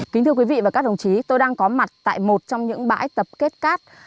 kính thưa quý vị và các đồng chí tôi đang có mặt tại một trong những bãi tập kết cát